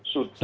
sudah di copy